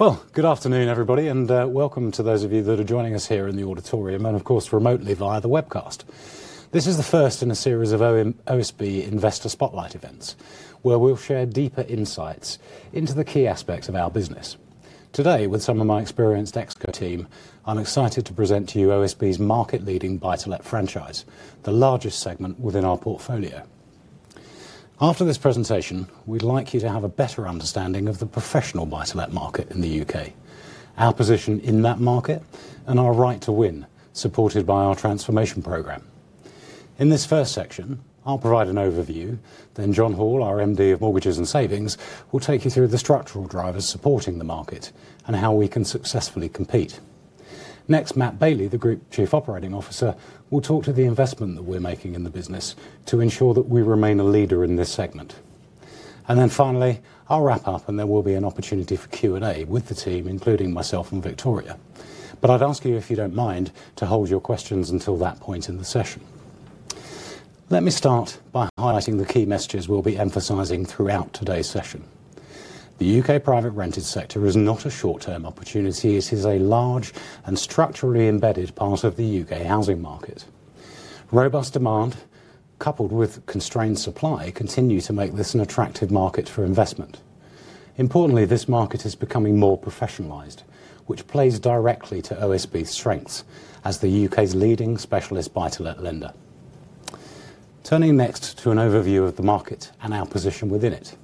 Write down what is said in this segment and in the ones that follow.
Well, good afternoon, everybody, and welcome to those of you that are joining us here in the auditorium and of course, remotely via the webcast. This is the first in a series of OSB Investor Spotlight events, where we'll share deeper insights into the key aspects of our business. Today, with some of my experienced ExCo team, I'm excited to present to you OSB's market-leading Buy-to-Let franchise, the largest segment within our portfolio. After this presentation, we'd like you to have a better understanding of the professional Buy-to-Let market in the U.K., our position in that market, and our right to win, supported by our transformation program. In this first section, I'll provide an overview. Then Jon Hall, our MD of Mortgages and Savings, will take you through the structural drivers supporting the market and how we can successfully compete. Next, Matthew Baillie, the Group Chief Operating Officer, will talk to the investment that we're making in the business to ensure that we remain a leader in this segment. Finally, I'll wrap up and there will be an opportunity for Q&A with the team, including myself and Victoria. I'd ask you, if you don't mind, to hold your questions until that point in the session. Let me start by highlighting the key messages we'll be emphasizing throughout today's session. The U.K. private rented sector is not a short-term opportunity. It is a large and structurally embedded part of the U.K. housing market. Robust demand, coupled with constrained supply, continue to make this an attractive market for investment. Importantly, this market is becoming more professionalized, which plays directly to OSB's strengths as the U.K.'s leading specialist Buy-to-Let lender. Turning next to an overview of the market and our position within it.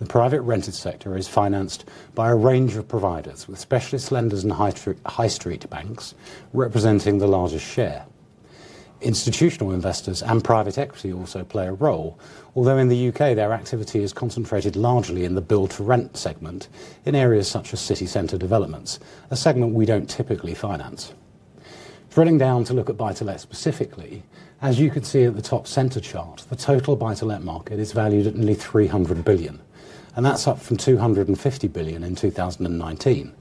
The private rented sector is financed by a range of providers, with specialist lenders and high street banks representing the largest share. Institutional investors and private equity also play a role, although in the U.K., their activity is concentrated largely in the build to rent segment in areas such as city center developments, a segment we don't typically finance. Drilling down to look at Buy-to-Let specifically, as you can see at the top center chart, the total Buy-to-Let market is valued at nearly 300 billion, and that's up from 250 billion in 2019.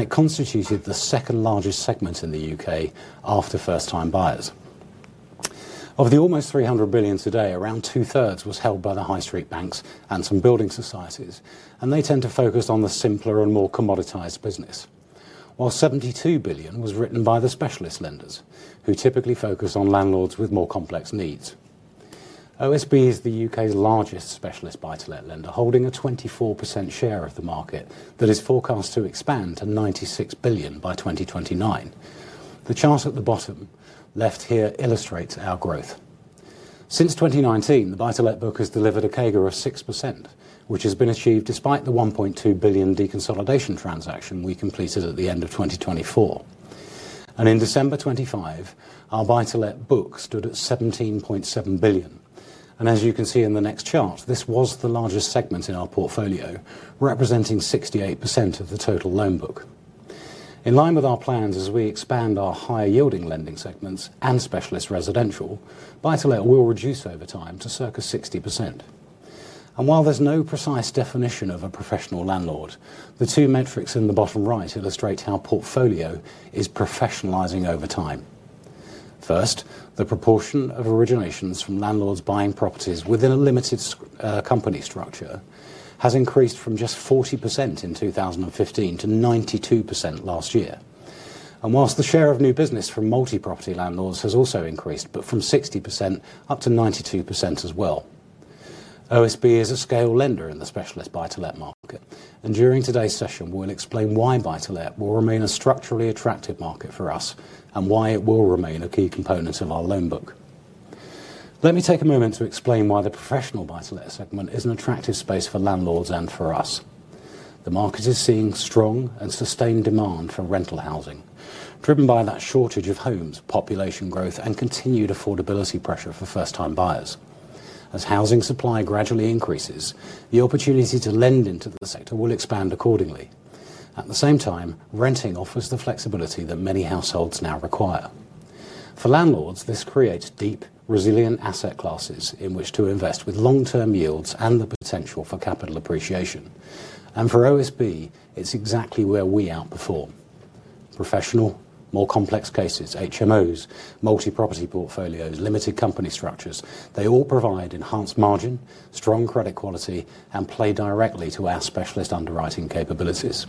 It constituted the second largest segment in the U.K. after first time buyers. Of the almost 300 billion today, around two-thirds was held by the high street banks and some building societies, and they tend to focus on the simpler and more commoditized business, while 72 billion was written by the specialist lenders who typically focus on landlords with more complex needs. OSB is the U.K.'s largest specialist buy-to-let lender, holding a 24% share of the market that is forecast to expand to 96 billion by 2029. The chart at the bottom left here illustrates our growth. Since 2019, the buy-to-let book has delivered a CAGR of 6%, which has been achieved despite the 1.2 billion deconsolidation transaction we completed at the end of 2024. In December 2025, our buy-to-let book stood at 17.7 billion. As you can see in the next chart, this was the largest segment in our portfolio, representing 68% of the total loan book. In line with our plans as we expand our higher yielding lending segments and specialist residential, Buy-to-Let will reduce over time to circa 60%. While there's no precise definition of a professional landlord, the 2 metrics in the bottom right illustrate how portfolio is professionalizing over time. First, the proportion of originations from landlords buying properties within a limited company structure has increased from just 40% in 2015 to 92% last year. While the share of new business from multi-property landlords has also increased, but from 60% up to 92% as well. OSB is a scale lender in the specialist buy-to-let market. During today's session, we'll explain why buy-to-let will remain a structurally attractive market for us and why it will remain a key component of our loan book. Let me take a moment to explain why the professional buy-to-let segment is an attractive space for landlords and for us. The market is seeing strong and sustained demand for rental housing, driven by that shortage of homes, population growth, and continued affordability pressure for first-time buyers. As housing supply gradually increases, the opportunity to lend into the sector will expand accordingly. At the same time, renting offers the flexibility that many households now require. For landlords, this creates deep, resilient asset classes in which to invest with long-term yields and the potential for capital appreciation. For OSB, it's exactly where we outperform. Professional, more complex cases, HMOs, multi-property portfolios, limited company structures, they all provide enhanced margin, strong credit quality, and play directly to our specialist underwriting capabilities.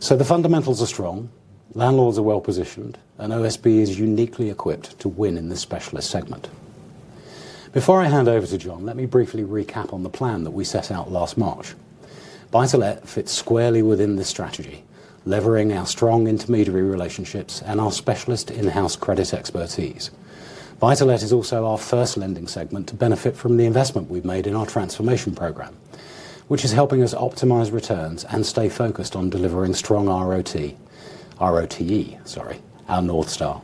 The fundamentals are strong, landlords are well-positioned, and OSB is uniquely equipped to win in this specialist segment. Before I hand over to John, let me briefly recap on the plan that we set out last March. Buy-to-let fits squarely within this strategy, leveraging our strong intermediary relationships and our specialist in-house credit expertise. Buy-to-Let is also our first lending segment to benefit from the investment we've made in our transformation program, which is helping us optimize returns and stay focused on delivering strong ROT. ROTE, sorry, our North Star.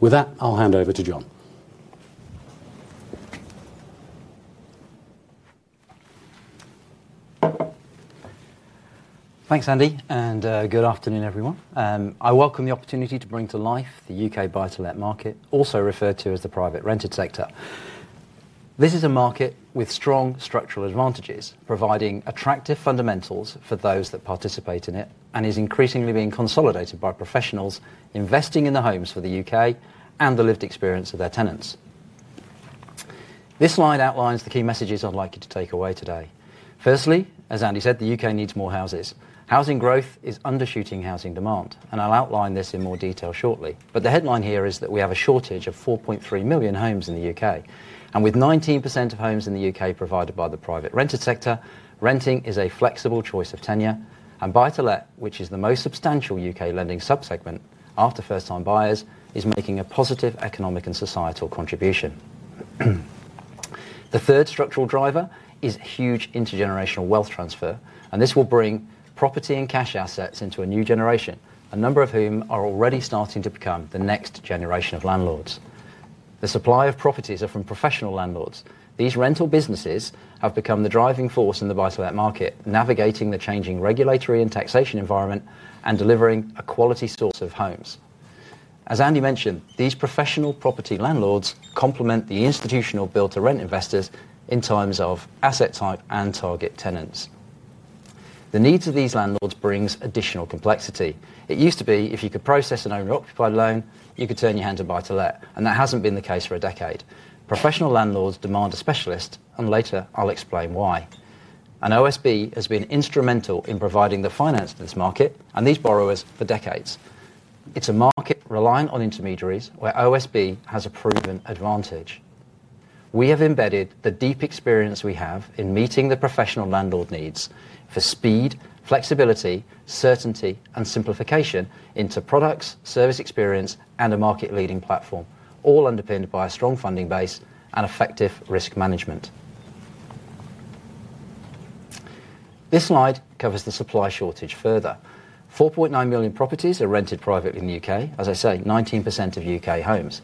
With that, I'll hand over to John. Thanks, Andy, and good afternoon, everyone. I welcome the opportunity to bring to life the U.K. Buy-to-Let market, also referred to as the private rented sector. This is a market with strong structural advantages, providing attractive fundamentals for those that participate in it and is increasingly being consolidated by professionals investing in the homes for the U.K. And the lived experience of their tenants. This slide outlines the key messages I'd like you to take away today. Firstly, as Andy said, the U.K. needs more houses. Housing growth is undershooting housing demand, and I'll outline this in more detail shortly. The headline here is that we have a shortage of 4.3 million homes in the U.K., and with 19% of homes in the U.K. provided by the private rented sector, renting is a flexible choice of tenure and buy-to-let, which is the most substantial U.K. lending subsegment after first-time buyers, is making a positive economic and societal contribution. The third structural driver is huge intergenerational wealth transfer, and this will bring property and cash assets into a new generation, a number of whom are already starting to become the next generation of landlords. The supply of properties are from professional landlords. These rental businesses have become the driving force in the buy-to-let market, navigating the changing regulatory and taxation environment and delivering a quality sort of homes. As Andy mentioned, these professional property landlords complement the institutional build to rent investors in terms of asset type and target tenants. The needs of these landlords brings additional complexity. It used to be if you could process an owner occupied loan, you could turn your hand to buy-to-let, and that hasn't been the case for a decade. Professional landlords demand a specialist, and later I'll explain why. OSB has been instrumental in providing the finance to this market and these borrowers for decades. It's a market reliant on intermediaries where OSB has a proven advantage. We have embedded the deep experience we have in meeting the professional landlord needs for speed, flexibility, certainty and simplification into products, service experience and a market-leading platform, all underpinned by a strong funding base and effective risk management. This slide covers the supply shortage further. 4.9 million properties are rented privately in the U.K., as I say, 19% of U.K. homes.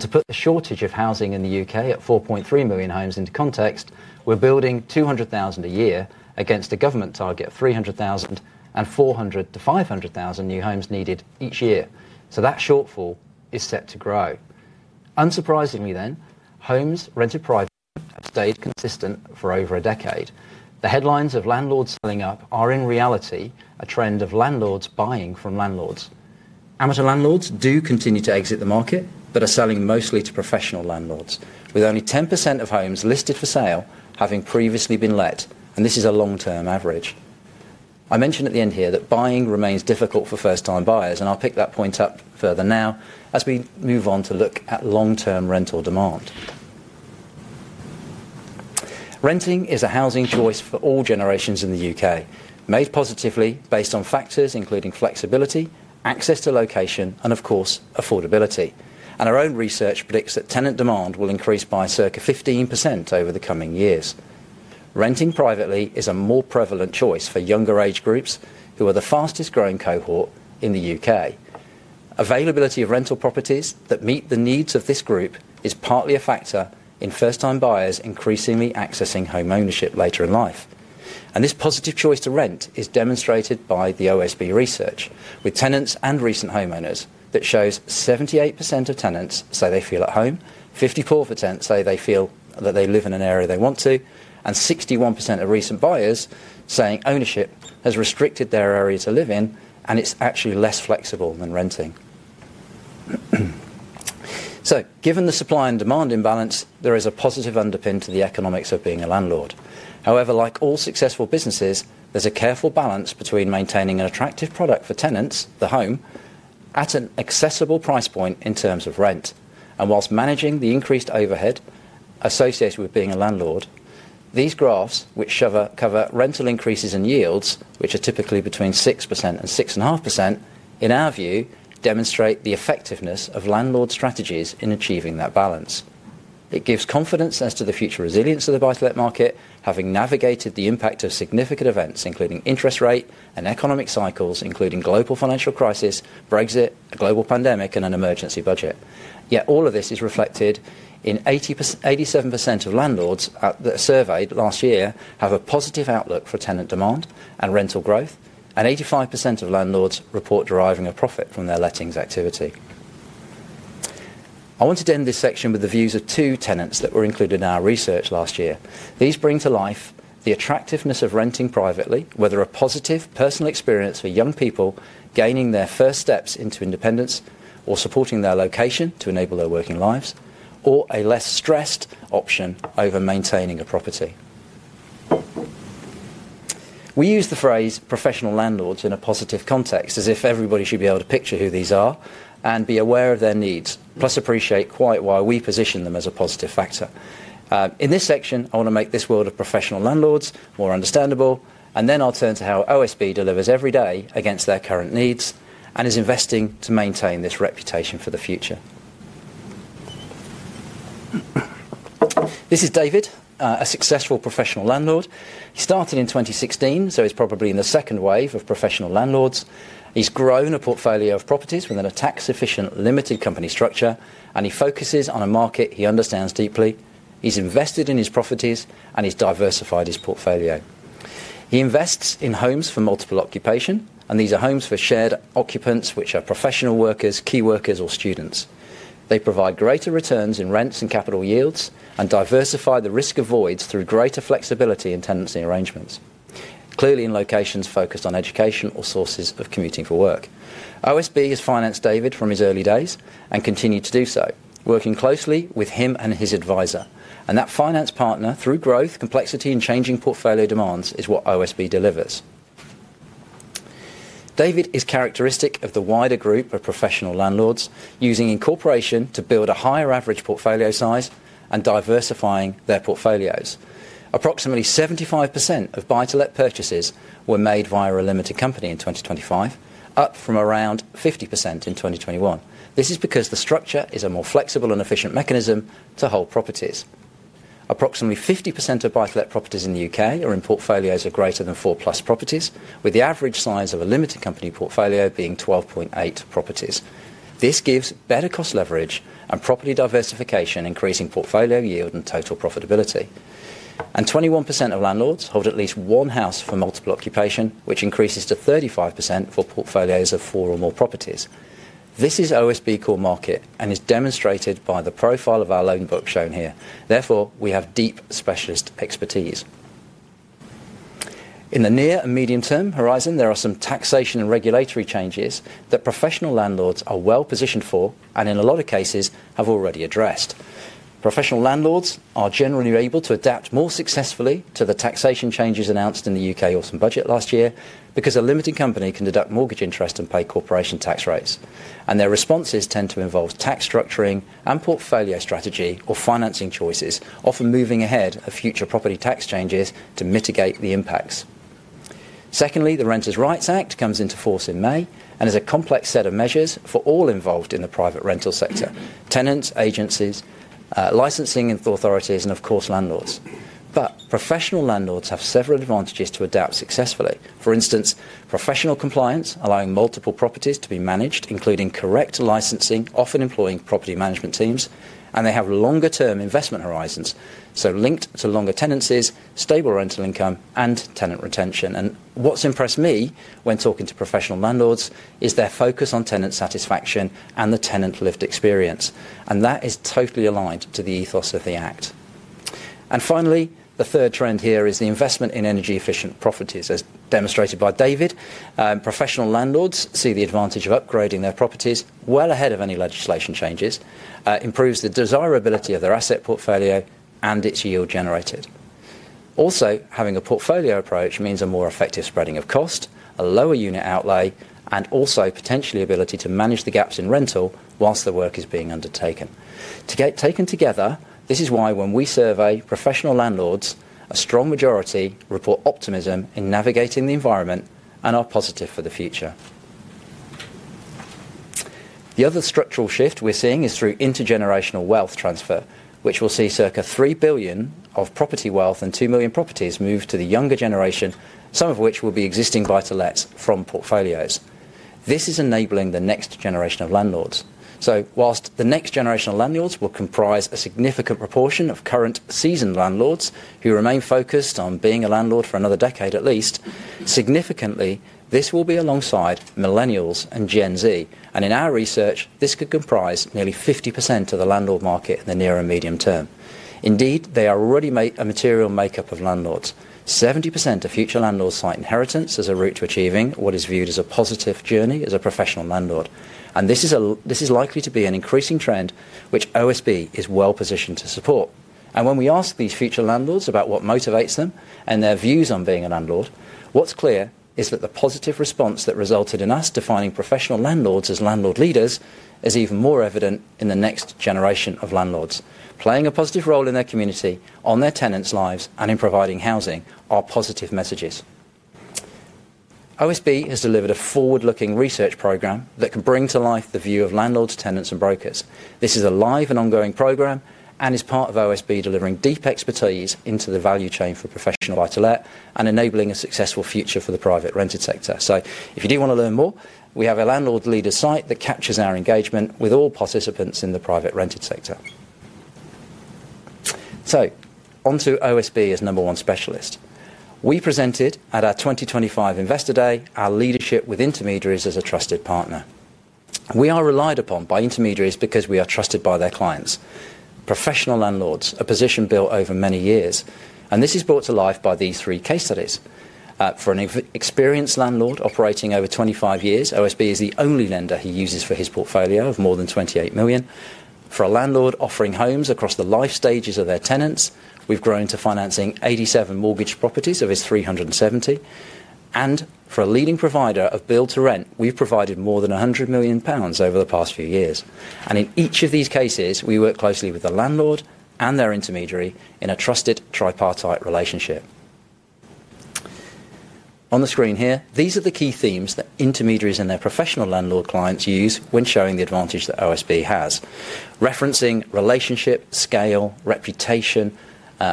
To put the shortage of housing in the U.K. at 4.3 million homes into context, we're building 200,000 a year against a government target of 300,000 and 400,000-500,000 new homes needed each year. That shortfall is set to grow. Unsurprisingly, homes rented privately have stayed consistent for over a decade. The headlines of landlords selling up are in reality a trend of landlords buying from landlords. Amateur landlords do continue to exit the market but are selling mostly to professional landlords, with only 10% of homes listed for sale having previously been let, and this is a long-term average. I mentioned at the end here that buying remains difficult for first time buyers, and I'll pick that point up further now as we move on to look at long term rental demand. Renting is a housing choice for all generations in the U.K., made positively based on factors including flexibility, access to location and of course, affordability. Our own research predicts that tenant demand will increase by circa 15% over the coming years. Renting privately is a more prevalent choice for younger age groups who are the fastest growing cohort in the U.K.. Availability of rental properties that meet the needs of this group is partly a factor in first time buyers increasingly accessing home ownership later in life. This positive choice to rent is demonstrated by the OSB research with tenants and recent homeowners that shows 78% of tenants say they feel at home, 54% say they feel that they live in an area they want to, and 61% of recent buyers saying ownership has restricted their area to live in, and it's actually less flexible than renting. Given the supply and demand imbalance, there is a positive underpin to the economics of being a landlord. However, like all successful businesses, there's a careful balance between maintaining an attractive product for tenants, the home, at an accessible price point in terms of rent. While managing the increased overhead associated with being a landlord, these graphs which cover rental increases in yields which are typically between 6% and 6.5%, in our view, demonstrate the effectiveness of landlord strategies in achieving that balance. It gives confidence as to the future resilience of the Buy-to-Let market having navigated the impact of significant events, including interest rate and economic cycles, including global financial crisis, Brexit, a global pandemic and an emergency budget. Yet all of this is reflected in 87% of landlords that surveyed last year have a positive outlook for tenant demand and rental growth, and 85% of landlords report deriving a profit from their lettings activity. I want to end this section with the views of two tenants that were included in our research last year. These bring to life the attractiveness of renting privately, whether a positive personal experience for young people gaining their first steps into independence or supporting their location to enable their working lives, or a less stressed option over maintaining a property. We use the phrase professional landlords in a positive context as if everybody should be able to picture who these are and be aware of their needs, plus appreciate quite why we position them as a positive factor. In this section, I want to make this world of professional landlords more understandable, and then I'll turn to how OSB delivers every day against their current needs and is investing to maintain this reputation for the future. This is David, a successful professional landlord. He started in 2016, so he's probably in the second wave of professional landlords. He's grown a portfolio of properties within a tax efficient limited company structure, and he focuses on a market he understands deeply. He's invested in his properties and he's diversified his portfolio. He invests in homes for multiple occupation, and these are homes for shared occupants which are professional workers, key workers or students. They provide greater returns in rents and capital yields and diversify the risk of voids through greater flexibility in tenancy arrangements. Clearly in locations focused on education or sources of commuting for work. OSB has financed David from his early days and continued to do so, working closely with him and his advisor. That finance partner, through growth, complexity, and changing portfolio demands, is what OSB delivers. David is characteristic of the wider group of professional landlords using incorporation to build a higher average portfolio size and diversifying their portfolios. Approximately 75% of Buy-to-Let purchases were made via a limited company in 2025, up from around 50% in 2021. This is because the structure is a more flexible and efficient mechanism to hold properties. Approximately 50% of Buy-to-Let properties in the U.K. are in portfolios of greater than 4+ properties, with the average size of a limited company portfolio being 12.8 properties. This gives better cost leverage and property diversification, increasing portfolio yield and total profitability. 21% of landlords hold at least one HMO, which increases to 35% for portfolios of four or more properties. This is OSB core market and is demonstrated by the profile of our loan book shown here. Therefore, we have deep specialist expertise. In the near and medium-term horizon, there are some taxation and regulatory changes that professional landlords are well-positioned for, and in a lot of cases, have already addressed. Professional landlords are generally able to adapt more successfully to the taxation changes announced in the U.K. Autumn Statement last year because a limited company can deduct mortgage interest and pay corporation tax rates, and their responses tend to involve tax structuring and portfolio strategy or financing choices, often moving ahead of future property tax changes to mitigate the impacts. Secondly, the Renters' Rights Act comes into force in May and is a complex set of measures for all involved in the private rented sector, tenants, agencies, licensing authorities, and of course, landlords. Professional landlords have several advantages to adapt successfully. For instance, professional compliance, allowing multiple properties to be managed, including correct licensing, often employing property management teams, and they have longer-term investment horizons, so linked to longer tenancies, stable rental income, and tenant retention. What's impressed me when talking to professional landlords is their focus on tenant satisfaction and the tenant lived experience, and that is totally aligned to the ethos of the act. Finally, the third trend here is the investment in energy-efficient properties, as demonstrated by David. Professional landlords see the advantage of upgrading their properties well ahead of any legislation changes, improves the desirability of their asset portfolio and its yield generated. Also, having a portfolio approach means a more effective spreading of cost, a lower unit outlay, and also potentially ability to manage the gaps in rental whilst the work is being undertaken. Taken together, this is why when we survey professional landlords, a strong majority report optimism in navigating the environment and are positive for the future. The other structural shift we're seeing is through intergenerational wealth transfer, which will see circa 3 billion of property wealth and 2 million properties move to the younger generation, some of which will be existing buy-to-lets from portfolios. This is enabling the next generation of landlords. While the next generation of landlords will comprise a significant proportion of current seasoned landlords who remain focused on being a landlord for another decade at least, significantly, this will be alongside millennials and Gen Z. In our research, this could comprise nearly 50% of the landlord market in the near and medium term. Indeed, they already make a material makeup of landlords. 70% of future landlords cite inheritance as a route to achieving what is viewed as a positive journey as a professional landlord. This is likely to be an increasing trend which OSB is well positioned to support. When we ask these future landlords about what motivates them and their views on being a landlord, what's clear is that the positive response that resulted in us defining professional landlords as Landlord Leaders is even more evident in the next generation of landlords. Playing a positive role in their community, on their tenants' lives, and in providing housing are positive messages. OSB has delivered a forward-looking research program that can bring to life the view of landlords, tenants, and brokers. This is a live and ongoing program and is part of OSB delivering deep expertise into the value chain for professional buy-to-let and enabling a successful future for the private rented sector. If you do wanna learn more, we have a Landlord Leaders site that captures our engagement with all participants in the private rented sector. Onto OSB as number one specialist. We presented at our 2025 Investor Day our leadership with intermediaries as a trusted partner. We are relied upon by intermediaries because we are trusted by their clients. Professional landlords, a position built over many years, and this is brought to life by these three case studies. For an experienced landlord operating over 25 years, OSB is the only lender he uses for his portfolio of more than 28 million. For a landlord offering homes across the life stages of their tenants, we've grown to financing 87 mortgage properties of his 370. For a leading provider of build to rent, we've provided more than 100 million pounds over the past few years. In each of these cases, we work closely with the landlord and their intermediary in a trusted tripartite relationship. On the screen here, these are the key themes that intermediaries and their professional landlord clients use when showing the advantage that OSB has. Referencing relationship, scale, reputation,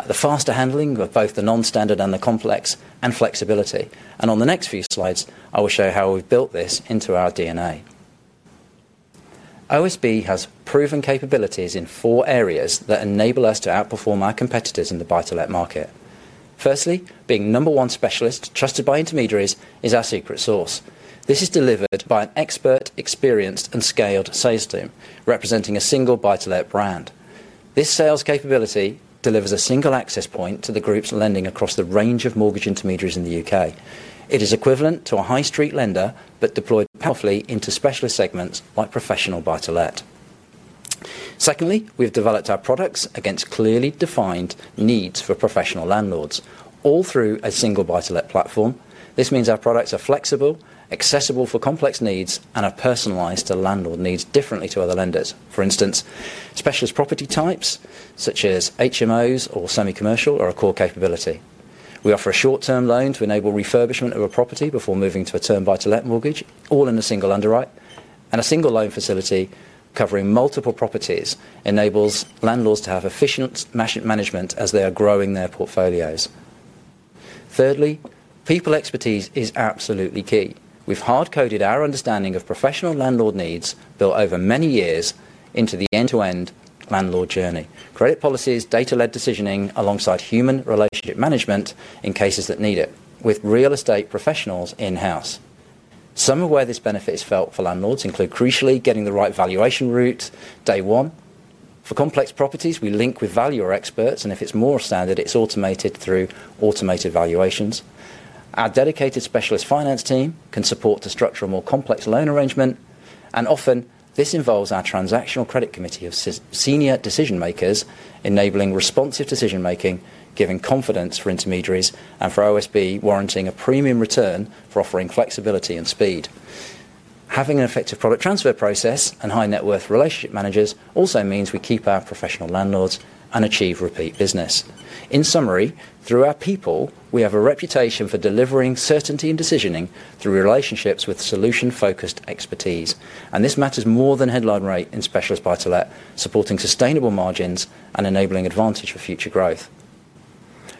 the faster handling of both the non-standard and the complex, and flexibility. On the next few slides, I will show how we've built this into our DNA. OSB has proven capabilities in four areas that enable us to outperform our competitors in the buy-to-let market. Firstly, being number one specialist trusted by intermediaries is our secret source. This is delivered by an expert, experienced and scaled sales team, representing a single buy-to-let brand. This sales capability delivers a single access point to the group's lending across the range of mortgage intermediaries in the U.K. It is equivalent to a high street lender, but deployed powerfully into specialist segments like professional buy-to-let. Secondly, we've developed our products against clearly defined needs for professional landlords, all through a single buy-to-let platform. This means our products are flexible, accessible for complex needs, and are personalized to landlord needs differently to other lenders. For instance, specialist property types such as HMOs or semi-commercial are a core capability. We offer a short-term loan to enable refurbishment of a property before moving to a term buy-to-let mortgage, all in a single underwrite. A single loan facility covering multiple properties enables landlords to have efficient asset management as they are growing their portfolios. Thirdly, people's expertise is absolutely key. We've hard-coded our understanding of professional landlord needs built over many years into the end-to-end landlord journey. Credit policies, data-led decisioning alongside human relationship management in cases that need it with real estate professionals in-house. Some of where this benefit is felt for landlords include crucially getting the right valuation route day one. For complex properties, we link with valuer experts, and if it's more standard, it's automated through automated valuations. Our dedicated specialist finance team can support to structure a more complex loan arrangement, and often this involves our transactional credit committee of senior decision makers enabling responsive decision-making, giving confidence for intermediaries and for OSB warranting a premium return for offering flexibility and speed. Having an effective product transfer process and high net worth relationship managers also means we keep our professional landlords and achieve repeat business. In summary, through our people, we have a reputation for delivering certainty and decisioning through relationships with solution-focused expertise, and this matters more than headline rate in specialist buy-to-let, supporting sustainable margins and enabling advantage for future growth.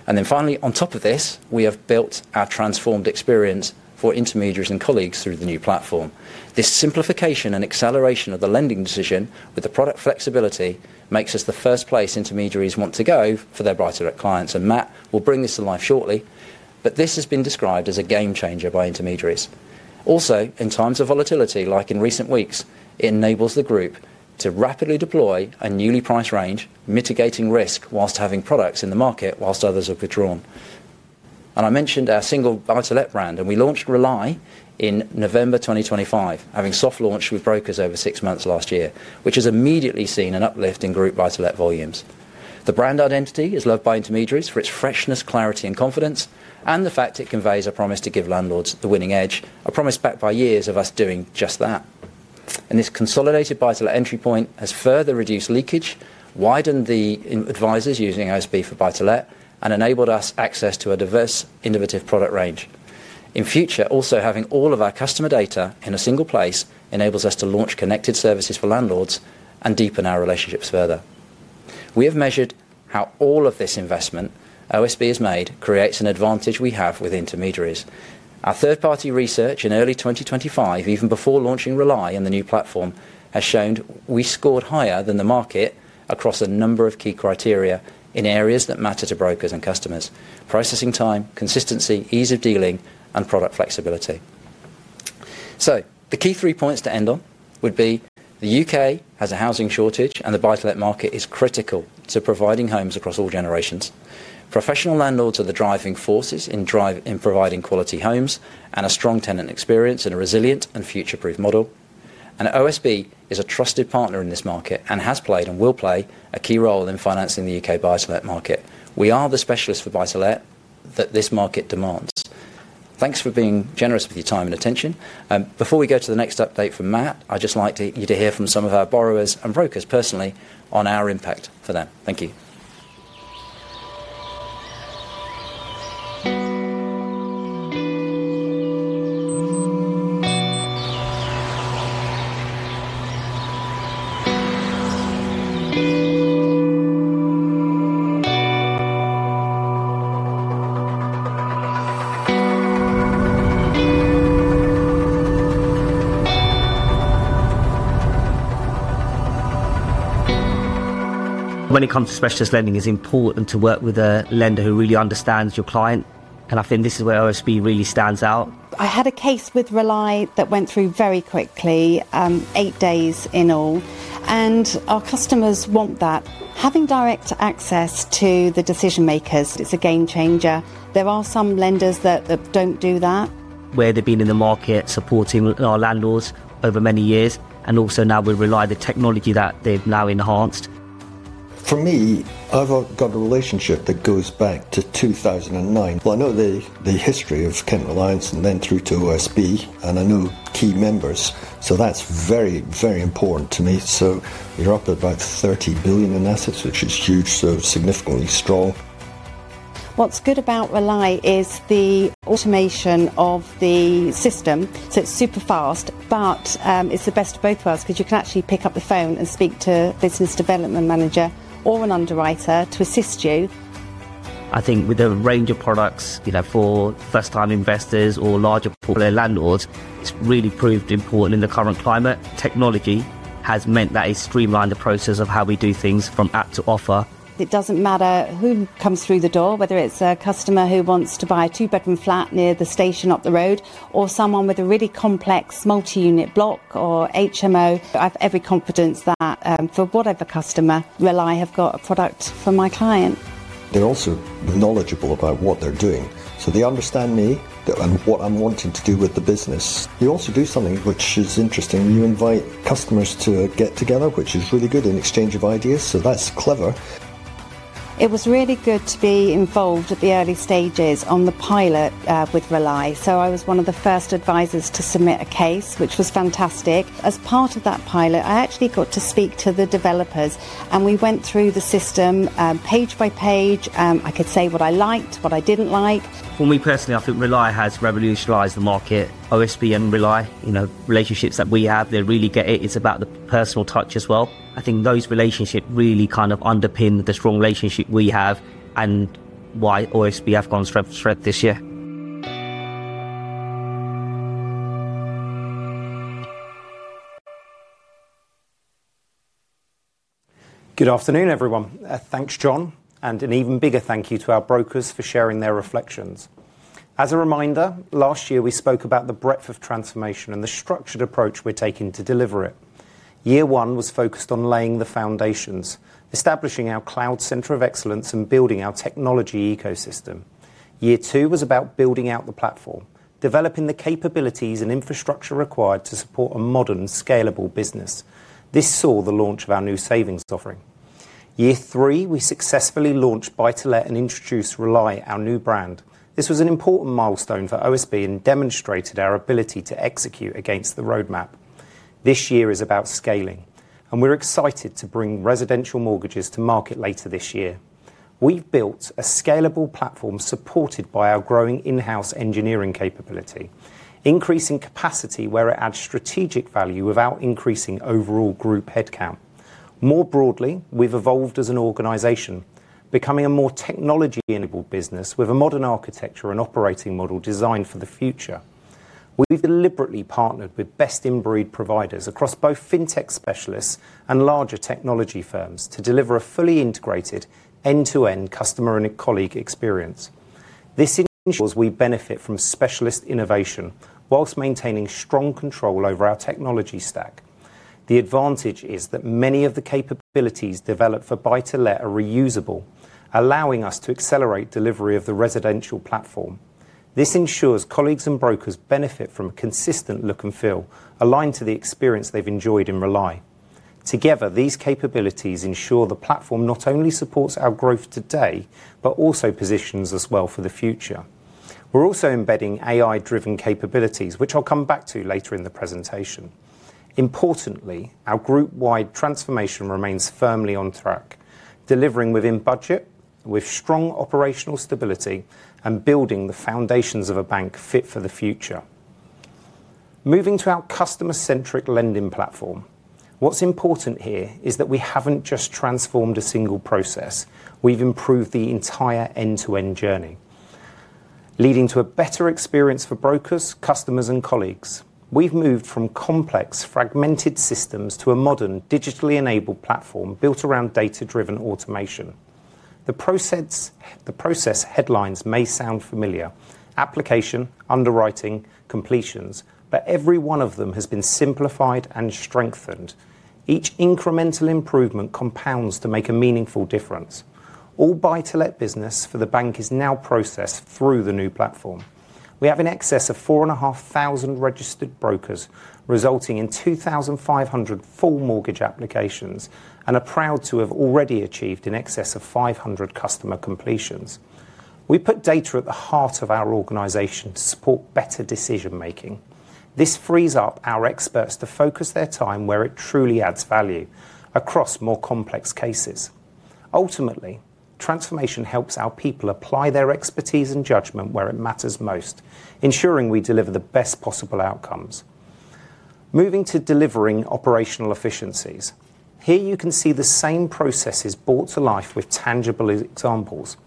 Then finally, on top of this, we have built our transformed experience for intermediaries and colleagues through the new platform. This simplification and acceleration of the lending decision with the product flexibility makes us the first place intermediaries want to go for their buy-to-let clients, and Matt will bring this to life shortly. This has been described as a game changer by intermediaries. In times of volatility like in recent weeks, it enables the group to rapidly deploy a newly priced range, mitigating risk while having products in the market while others have withdrawn. I mentioned our single buy-to-let brand, and we launched Rely in November 2025, having soft launched with brokers over six months last year, which has immediately seen an uplift in group buy-to-let volumes. The brand identity is loved by intermediaries for its freshness, clarity and confidence, and the fact it conveys a promise to give landlords the winning edge, a promise backed by years of us doing just that. This consolidated buy-to-let entry point has further reduced leakage, widened the advisers using OSB for buy-to-let, and enabled us access to a diverse innovative product range. In future, also having all of our customer data in a single place enables us to launch connected services for landlords and deepen our relationships further. We have measured how all of this investment OSB has made creates an advantage we have with intermediaries. Our third-party research in early 2025, even before launching Rely on the new platform, has shown we scored higher than the market across a number of key criteria in areas that matter to brokers and customers, processing time, consistency, ease of dealing, and product flexibility. The key three points to end on would be the U.K. has a housing shortage and the buy-to-let market is critical to providing homes across all generations. Professional landlords are the driving forces in providing quality homes and a strong tenant experience in a resilient and future-proof model. OSB is a trusted partner in this market and has played and will play a key role in financing the U.K. buy-to-let market. We are the specialist for buy-to-let that this market demands. Thanks for being generous with your time and attention. Before we go to the next update from Matt, I'd just like you to hear from some of our borrowers and brokers personally on our impact for them. Thank you. When it comes to specialist lending, it's important to work with a lender who really understands your client, and I think this is where OSB really stands out. I had a case with Rely that went through very quickly, eight days in all, and our customers want that. Having direct access to the decision makers is a game changer. There are some lenders that don't do that. Where they've been in the market supporting our landlords over many years, and also now with Rely the technology that they've now enhanced. For me, I've got a relationship that goes back to 2009. Well, I know the history of Kent Reliance and then through to OSB and I know key members, so that's very, very important to me. We're up at about 30 billion in assets, which is huge, so significantly strong. What's good about Rely is the automation of the system, so it's super fast. It's the best of both worlds 'cause you can actually pick up the phone and speak to a business development manager or an underwriter to assist you. I think with the range of products, you know, for first time investors or larger portfolio landlords, it's really proved important in the current climate. Technology has meant that it's streamlined the process of how we do things from app to offer. It doesn't matter who comes through the door, whether it's a customer who wants to buy a two-bedroom flat near the station up the road or someone with a really complex multi-unit block or HMO, I've every confidence that, for whatever customer, Rely have got a product for my client. They're also knowledgeable about what they're doing, so they understand me and what I'm wanting to do with the business. They also do something which is interesting. You invite customers to get together, which is really good, an exchange of ideas, so that's clever. It was really good to be involved at the early stages on the pilot with Rely. I was one of the first advisors to submit a case, which was fantastic. As part of that pilot, I actually got to speak to the developers, and we went through the system page by page, and I could say what I liked, what I didn't like. For me personally, I think Rely has revolutionized the market. OSB and Rely, you know, relationships that we have, they really get it. It's about the personal touch as well. I think those relationships really kind of underpin the strong relationship we have and why OSB have gone from strength to strength this year. Good afternoon, everyone. Thanks, John, and an even bigger thank you to our brokers for sharing their reflections. As a reminder, last year we spoke about the breadth of transformation and the structured approach we're taking to deliver it. Year one was focused on laying the foundations, establishing our Cloud Center of Excellence and building our technology ecosystem. Year two was about building out the platform, developing the capabilities and infrastructure required to support a modern, scalable business. This saw the launch of our new savings offering. Year three, we successfully launched Buy-to-Let and introduced Rely, our new brand. This was an important milestone for OSB and demonstrated our ability to execute against the roadmap. This year is about scaling, and we're excited to bring residential mortgages to market later this year. We've built a scalable platform supported by our growing in-house engineering capability, increasing capacity where it adds strategic value without increasing overall group headcount. More broadly, we've evolved as an organization, becoming a more technology-enabled business with a modern architecture and operating model designed for the future. We've deliberately partnered with best-in-breed providers across both fintech specialists and larger technology firms to deliver a fully integrated end-to-end customer and colleague experience. This ensures we benefit from specialist innovation while maintaining strong control over our technology stack. The advantage is that many of the capabilities developed for Buy-to-Let are reusable, allowing us to accelerate delivery of the residential platform. This ensures colleagues and brokers benefit from a consistent look and feel aligned to the experience they've enjoyed in Rely. Together, these capabilities ensure the platform not only supports our growth today, but also positions us well for the future. We're also embedding AI-driven capabilities, which I'll come back to later in the presentation. Importantly, our group-wide transformation remains firmly on track, delivering within budget with strong operational stability and building the foundations of a bank fit for the future. Moving to our customer-centric lending platform, what's important here is that we haven't just transformed a single process. We've improved the entire end-to-end journey, leading to a better experience for brokers, customers, and colleagues. We've moved from complex, fragmented systems to a modern, digitally enabled platform built around data-driven automation. The process headlines may sound familiar: application, underwriting, completions. Every one of them has been simplified and strengthened. Each incremental improvement compounds to make a meaningful difference. All Buy-to-Let business for the bank is now processed through the new platform. We have in excess of 4,500 registered brokers, resulting in 2,500 full mortgage applications, and are proud to have already achieved in excess of 500 customer completions. We put data at the heart of our organization to support better decision-making. This frees up our experts to focus their time where it truly adds value across more complex cases. Ultimately, transformation helps our people apply their expertise and judgment where it matters most, ensuring we deliver the best possible outcomes. Moving to delivering operational efficiencies. Here, you can see the same processes brought to life with tangible examples.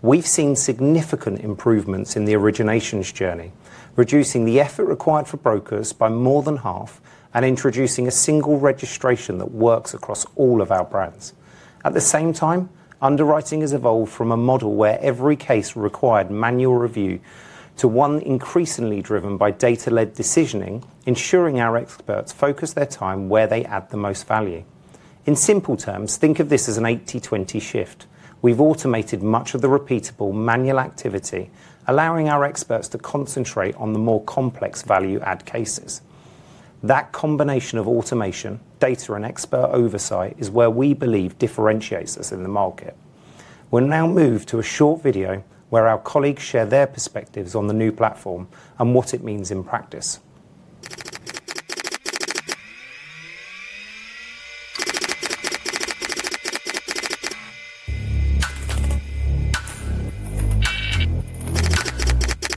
We've seen significant improvements in the originations journey, reducing the effort required for brokers by more than half and introducing a single registration that works across all of our brands. At the same time, underwriting has evolved from a model where every case required manual review to one increasingly driven by data-led decisioning, ensuring our experts focus their time where they add the most value. In simple terms, think of this as an 80/20 shift. We've automated much of the repeatable manual activity, allowing our experts to concentrate on the more complex value-add cases. That combination of automation, data, and expert oversight is where we believe differentiates us in the market. We'll now move to a short video where our colleagues share their perspectives on the new platform and what it means in practice.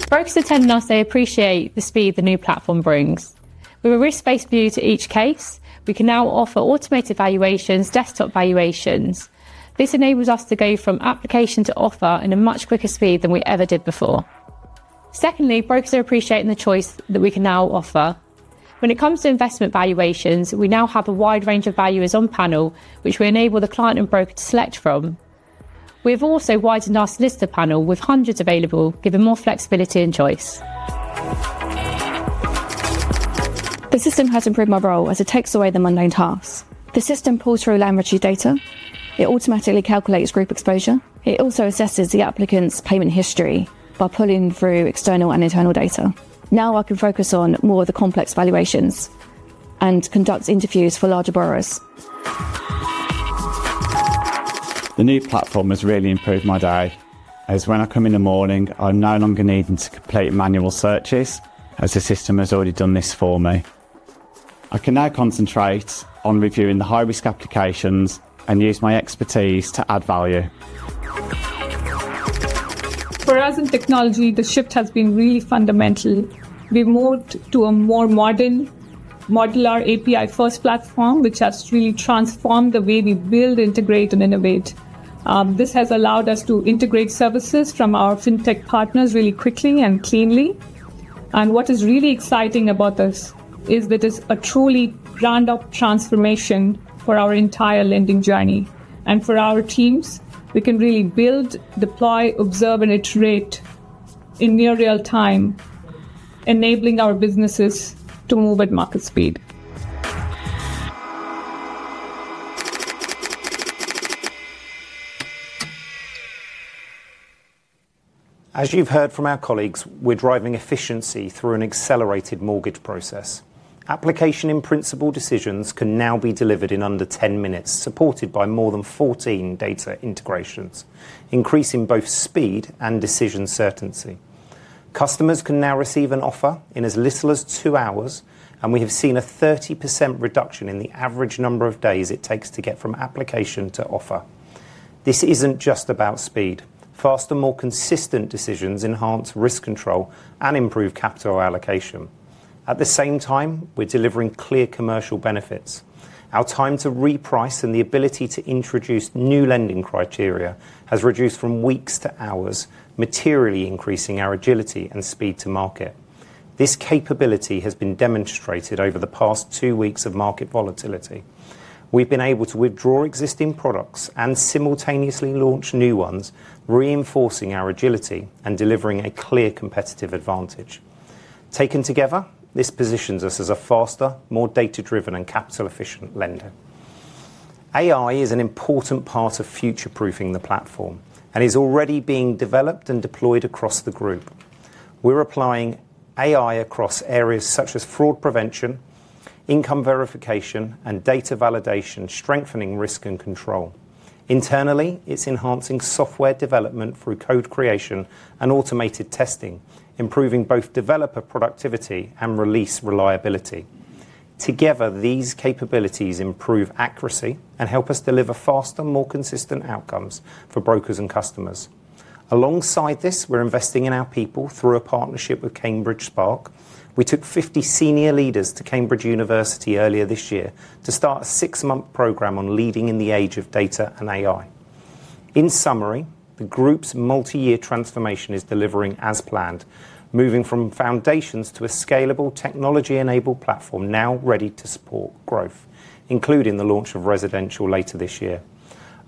Brokers are telling us they appreciate the speed the new platform brings. With a risk-based view to each case, we can now offer automated valuations, desktop valuations. This enables us to go from application to offer in a much quicker speed than we ever did before. Secondly, brokers are appreciating the choice that we can now offer. When it comes to investment valuations, we now have a wide range of valuers on panel, which we enable the client and broker to select from. We've also widened our solicitor panel with hundreds available, giving more flexibility and choice. The system has improved my role as it takes away the mundane tasks. The system pulls through Land Registry data. It automatically calculates group exposure. It also assesses the applicant's payment history by pulling through external and internal data. Now, I can focus on more of the complex valuations and conduct interviews for larger borrowers. The new platform has really improved my day as when I come in the morning, I'm no longer needing to complete manual searches, as the system has already done this for me. I can now concentrate on reviewing the high-risk applications and use my expertise to add value. For us in technology, the shift has been really fundamental. We moved to a more modern modular API-first platform, which has really transformed the way we build, integrate, and innovate. This has allowed us to integrate services from our fintech partners really quickly and cleanly. What is really exciting about this is that it's a truly ground-up transformation for our entire lending journey. For our teams, we can really build, deploy, observe, and iterate in near real-time, enabling our businesses to move at market speed. As you've heard from our colleagues, we're driving efficiency through an accelerated mortgage process. Agreement in principle decisions can now be delivered in under 10 minutes, supported by more than 14 data integrations, increasing both speed and decision certainty. Customers can now receive an offer in as little as two hours, and we have seen a 30% reduction in the average number of days it takes to get from application to offer. This isn't just about speed. Faster, more consistent decisions enhance risk control and improve capital allocation. At the same time, we're delivering clear commercial benefits. Our time to reprice and the ability to introduce new lending criteria has reduced from weeks to hours, materially increasing our agility and speed to market. This capability has been demonstrated over the past 2 weeks of market volatility. We've been able to withdraw existing products and simultaneously launch new ones, reinforcing our agility and delivering a clear competitive advantage. Taken together, this positions us as a faster, more data-driven, and capital-efficient lender. AI is an important part of future-proofing the platform and is already being developed and deployed across the group. We're applying AI across areas such as fraud prevention, income verification, and data validation, strengthening risk and control. Internally, it's enhancing software development through code creation and automated testing, improving both developer productivity and release reliability. Together, these capabilities improve accuracy and help us deliver faster, more consistent outcomes for brokers and customers. Alongside this, we're investing in our people through a partnership with Cambridge Spark. We took 50 senior leaders to University of Cambridge earlier this year to start a six-month program on leading in the age of data and AI. In summary, the group's multi-year transformation is delivering as planned, moving from foundations to a scalable technology-enabled platform now ready to support growth, including the launch of residential later this year.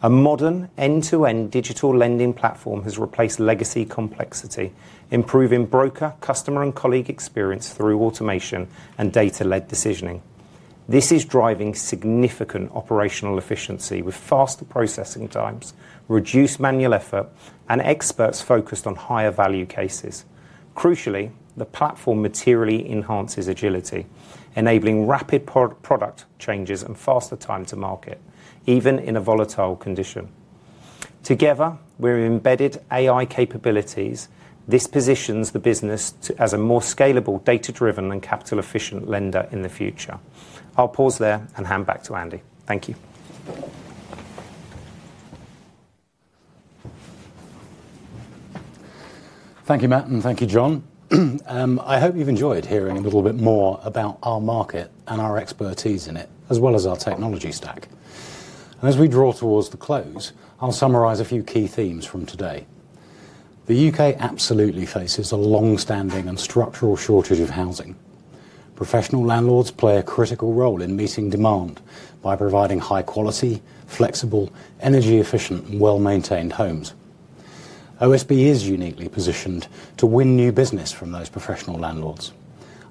A modern end-to-end digital lending platform has replaced legacy complexity, improving broker, customer, and colleague experience through automation and data-led decisioning. This is driving significant operational efficiency with faster processing times, reduced manual effort, and experts focused on higher value cases. Crucially, the platform materially enhances agility, enabling rapid product changes and faster time to market, even in a volatile condition. Together, we're embedding AI capabilities. This positions the business to be a more scalable, data-driven, and capital-efficient lender in the future. I'll pause there and hand back to Andy. Thank you. Thank you, Matt, and thank you, John. I hope you've enjoyed hearing a little bit more about our market and our expertise in it, as well as our technology stack. As we draw towards the close, I'll summarize a few key themes from today. The U.K. absolutely faces a long-standing and structural shortage of housing. Professional landlords play a critical role in meeting demand by providing high quality, flexible, energy efficient, and well-maintained homes. OSB is uniquely positioned to win new business from those professional landlords.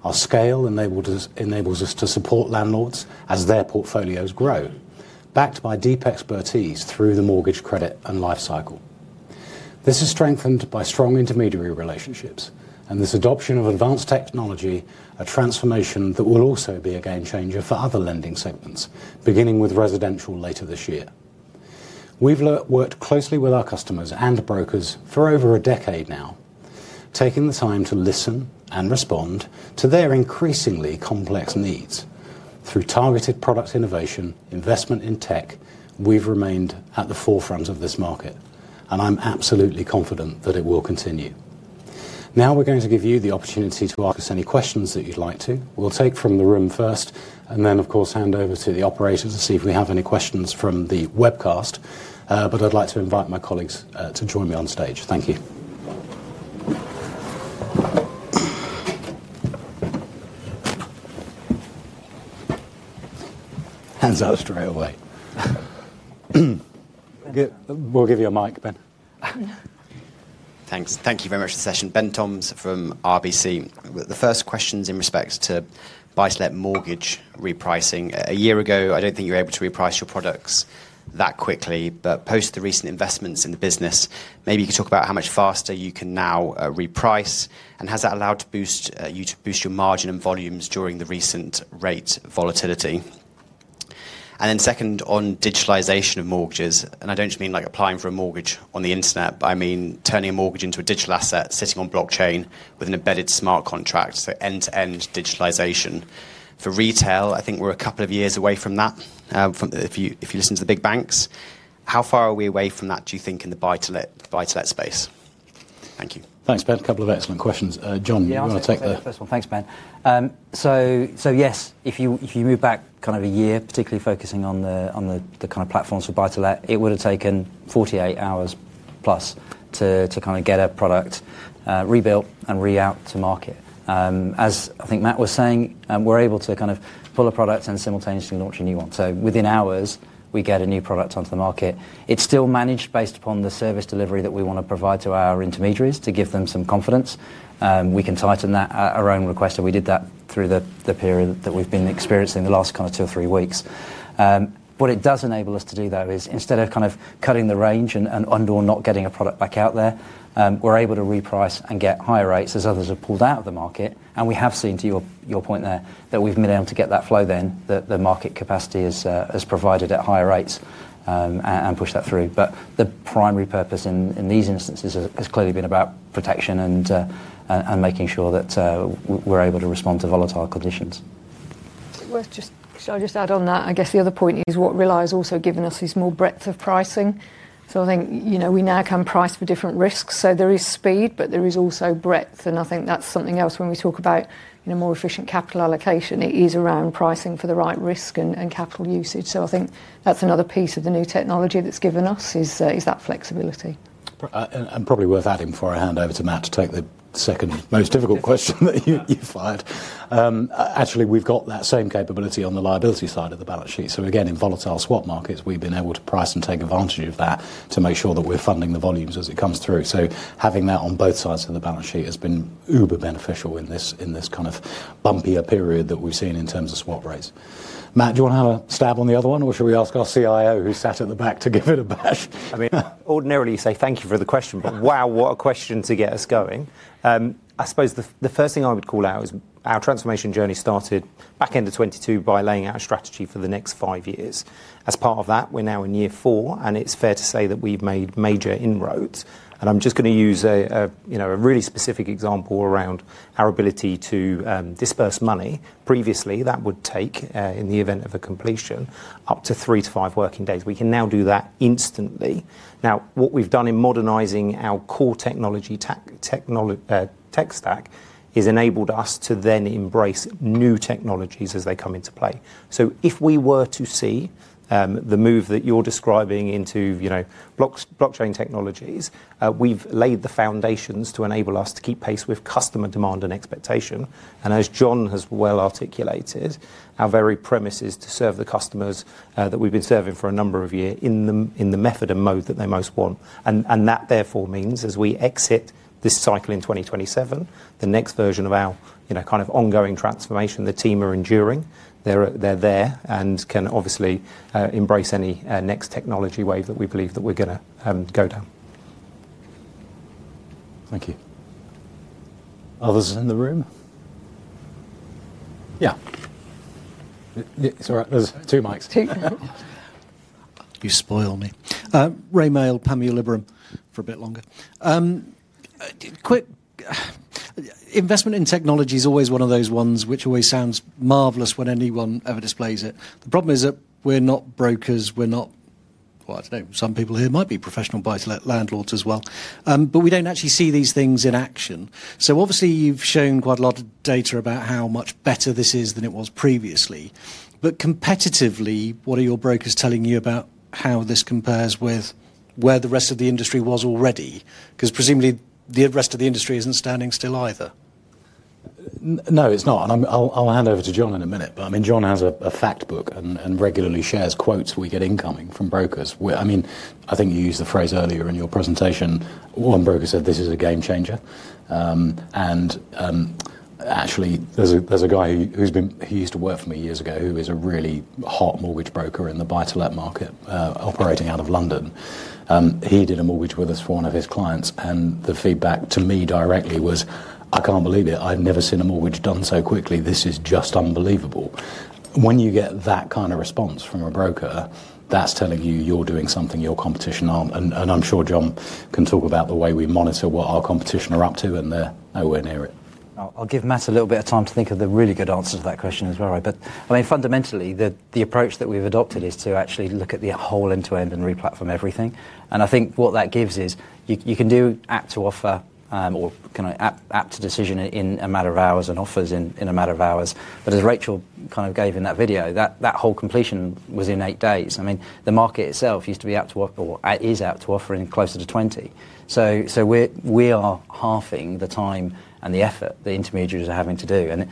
Our scale enables us to support landlords as their portfolios grow, backed by deep expertise through the mortgage credit and life cycle. This is strengthened by strong intermediary relationships and this adoption of advanced technology, a transformation that will also be a game changer for other lending segments, beginning with residential later this year. We've worked closely with our customers and brokers for over a decade now, taking the time to listen and respond to their increasingly complex needs. Through targeted product innovation, investment in tech, we've remained at the forefront of this market, and I'm absolutely confident that it will continue. Now we're going to give you the opportunity to ask us any questions that you'd like to. We'll take from the room first and then, of course, hand over to the operators to see if we have any questions from the webcast. But I'd like to invite my colleagues to join me on stage. Thank you. Hands up straight away. We'll give you a mic, Ben. Oh, no. Thanks. Thank you very much for the session. Ben Toms from RBC. The first question's in respect to buy-to-let mortgage repricing. A year ago, I don't think you were able to reprice your products that quickly, but post the recent investments in the business, maybe you could talk about how much faster you can now reprice, and has that allowed you to boost your margin and volumes during the recent rate volatility? Then second, on digitalization of mortgages, and I don't just mean like applying for a mortgage on the internet, but I mean turning a mortgage into a digital asset, sitting on blockchain with an embedded smart contract, so end-to-end digitalization. For retail, I think we're a couple of years away from that, if you listen to the big banks. How far are we away from that, do you think, in the buy-to-let space? Thank you. Thanks, Ben. A couple of excellent questions. John, do you wanna take the Yeah, I'll take the first one. Thanks, Ben. Yes, if you move back kind of a year, particularly focusing on the kind of platforms for Buy-to-Let, it would've taken 48 hours plus to kinda get a product rebuilt and re-out to market. As I think Matt was saying, we're able to kind of pull a product and simultaneously launch a new one. Within hours we get a new product onto the market. It's still managed based upon the service delivery that we wanna provide to our intermediaries to give them some confidence. We can tighten that at our own request, and we did that through the period that we've been experiencing the last kind of two or three weeks. What it does enable us to do though is instead of kind of cutting the range and not getting a product back out there, we're able to reprice and get higher rates as others have pulled out of the market. We have seen, to your point there, that we've been able to get that flow then, that the market capacity is provided at higher rates, and push that through. The primary purpose in these instances has clearly been about protection and making sure that we're able to respond to volatile conditions. Shall I just add on that? I guess the other point is what Rely has also given us is more breadth of pricing. I think, you know, we now can price for different risks. There is speed, but there is also breadth. I think that's something else when we talk about, you know, more efficient capital allocation. It is around pricing for the right risk and capital usage. I think that's another piece of the new technology that it's given us is that flexibility. Probably worth adding before I hand over to Matt to take the second most difficult question that you fired. Actually, we've got that same capability on the liability side of the balance sheet. Again, in volatile swap markets, we've been able to price and take advantage of that to make sure that we're funding the volumes as it comes through. Having that on both sides of the balance sheet has been uber beneficial in this kind of bumpier period that we've seen in terms of swap rates. Matt, do you wanna have a stab on the other one, or should we ask our CIO who sat at the back to give it a bash? I mean, ordinarily you say, "Thank you for the question," but wow, what a question to get us going. I suppose the first thing I would call out is our transformation journey started back end of 2022 by laying out a strategy for the next five years. As part of that, we're now in year four, and it's fair to say that we've made major inroads. I'm just gonna use, you know, a really specific example around our ability to disburse money. Previously, that would take, in the event of a completion, up to three to five working days. We can now do that instantly. What we've done in modernizing our core technology tech stack has enabled us to then embrace new technologies as they come into play. If we were to see the move that you're describing into, you know, blockchain technologies, we've laid the foundations to enable us to keep pace with customer demand and expectation. As John has well articulated, our very premise is to serve the customers that we've been serving for a number of years in the method and mode that they most want. That therefore means as we exit this cycle in 2027, the next version of our, you know, kind of ongoing transformation the team are enduring, they're there and can obviously embrace any next technology wave that we believe that we're gonna go down. Thank you. Others in the room? Yeah. It's all right. There's two mics. Two. You spoil me. Rae Maile, Panmure Liberum for a bit longer. Investment in technology is always one of those ones which always sounds marvelous when anyone ever displays it. The problem is that we're not brokers, we're not, well, I don't know, some people here might be professional buy-to-let landlords as well, but we don't actually see these things in action. Obviously, you've shown quite a lot of data about how much better this is than it was previously. Competitively, what are your brokers telling you about how this compares with where the rest of the industry was already? 'Cause presumably the rest of the industry isn't standing still either. No, it's not. I'll hand over to Jon Hall in a minute. Jon Hall has a fact book and regularly shares quotes we get incoming from brokers. I think you used the phrase earlier in your presentation, one broker said this is a game changer. Actually, there's a guy who used to work for me years ago, who is a really hot mortgage broker in the buy-to-let market, operating out of London. He did a mortgage with us for one of his clients, and the feedback to me directly was, "I can't believe it. I've never seen a mortgage done so quickly. This is just unbelievable." When you get that kind of response from a broker, that's telling you you're doing something your competition aren't. I'm sure Jon can talk about the way we monitor what our competition are up to, and they're nowhere near it. I'll give Matt a little bit of time to think of the really good answer to that question as well, right? I mean, fundamentally, the approach that we've adopted is to actually look at the whole end-to-end and re-platform everything. I think what that gives is you can do app to offer, or kinda app to decision in a matter of hours and offers in a matter of hours. As Rachel kind of gave in that video, that whole completion was in eight days. I mean, the market itself used to be app to offer or is app to offer in closer to 20. We're halving the time and the effort the intermediaries are having to do.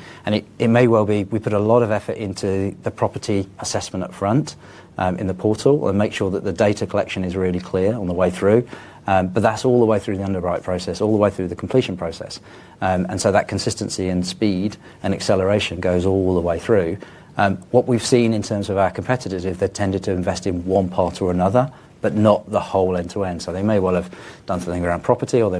It may well be we put a lot of effort into the property assessment up front, in the portal and make sure that the data collection is really clear on the way through. That's all the way through the underwriting process, all the way through the completion process. That consistency and speed and acceleration goes all the way through. What we've seen in terms of our competitors is they've tended to invest in one part or another, but not the whole end-to-end. They may well have done something around property, or they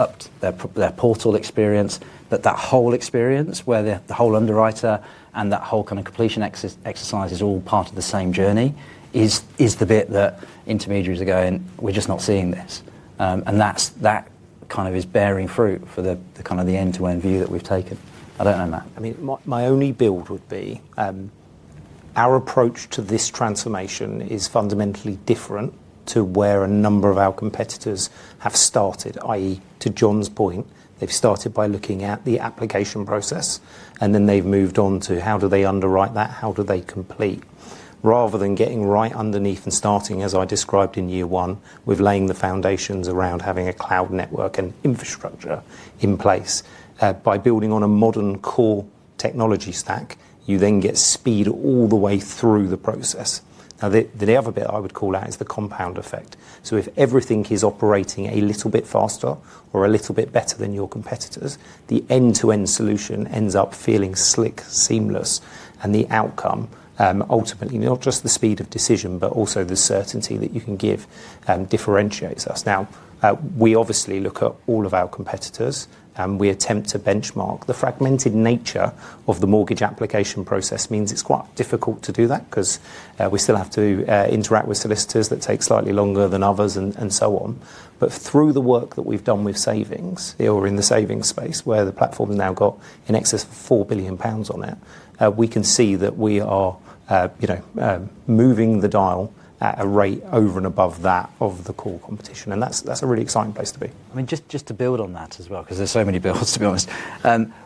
might well have upped their portal experience, but that whole experience where the whole underwriter and that whole kind of completion exercise is all part of the same journey is the bit that intermediaries are going, "We're just not seeing this." That's kind of bearing fruit for the end-to-end view that we've taken. I don't know, Matt. I mean, my only point would be our approach to this transformation is fundamentally different to where a number of our competitors have started, i.e., to Jon's point, they've started by looking at the application process, and then they've moved on to how do they underwrite that? How do they complete? Rather than getting right underneath and starting, as I described in year one, with laying the foundations around having a cloud network and infrastructure in place. By building on a modern core technology stack, you then get speed all the way through the process. Now, the other bit I would call out is the compound effect. If everything is operating a little bit faster or a little bit better than your competitors, the end-to-end solution ends up feeling slick, seamless, and the outcome ultimately not just the speed of decision, but also the certainty that you can give differentiates us. Now we obviously look at all of our competitors, and we attempt to benchmark. The fragmented nature of the mortgage application process means it's quite difficult to do that because we still have to interact with solicitors that take slightly longer than others and so on. Through the work that we've done with savings or in the savings space, where the platform has now got in excess of 4 billion pounds on it, we can see that we are, you know, moving the dial at a rate over and above that of the core competition, and that's a really exciting place to be. I mean, just to build on that as well, 'cause there's so many builds, to be honest.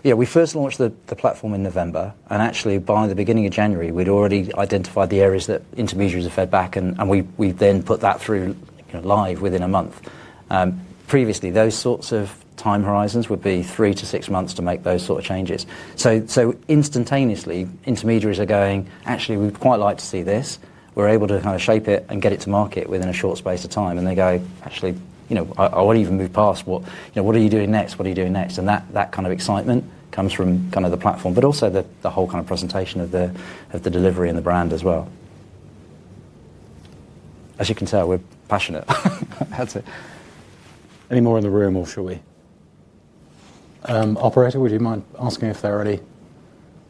Yeah, we first launched the platform in November, and actually by the beginning of January, we'd already identified the areas that intermediaries had fed back, and we then put that through, you know, live within a month. Previously, those sorts of time horizons would be three to six months to make those sort of changes. Instantaneously, intermediaries are going, "Actually, we'd quite like to see this." We're able to kind of shape it and get it to market within a short space of time, and they go, "Actually, you know, I want to even move past what, you know, what are you doing next? What are you doing next? That kind of excitement comes from kind of the platform, but also the whole kind of presentation of the delivery and the brand as well. As you can tell, we're passionate. That's it. Any more in the room, or shall we? Operator, would you mind asking if there are any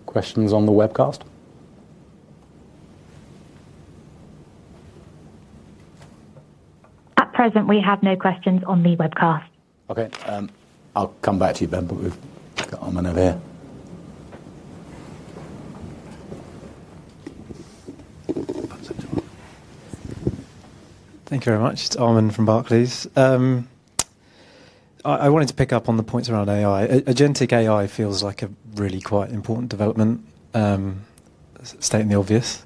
questions on the webcast? At present, we have no questions on the webcast. Okay, I'll come back to you then, but we've got Armand over here. Thank you very much. It's Armand from Barclays. I wanted to pick up on the points around AI. Agentic AI feels like a really quite important development, stating the obvious.